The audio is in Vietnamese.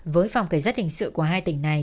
với phòng cải giác hình sự của hai tỉnh này